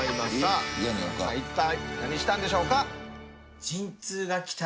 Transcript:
さあ一体何したんでしょうか？